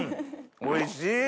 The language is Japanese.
おいしい！